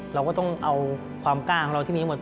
เราก็ต้องเอาความกล้าของเราที่มีหมด